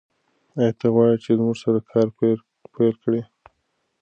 ایا ته غواړې چې موږ سره کار پیل کړې؟